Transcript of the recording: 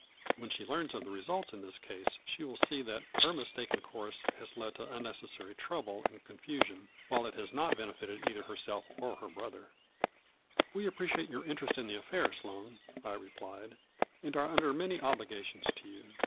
When she learns of the results in this case she will see that her mis taken course has led to unnecessary trouble and confusion, while it has not benefited either herself or her brother," 214 A FLU RUT IN DIAMONDS ." We appreciate your interest in the affair, Sloane," I replied, " and are under many obliga tions to you.